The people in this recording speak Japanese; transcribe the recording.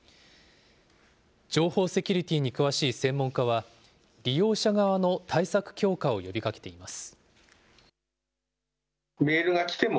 情報セキュリティーに詳しい専門家は、利用者側の対策強化を呼びかけています。